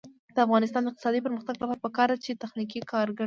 د افغانستان د اقتصادي پرمختګ لپاره پکار ده چې تخنیکي کارګر وي.